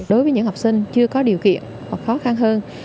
đối với những học sinh chưa có điều kiện hoặc khó khăn hơn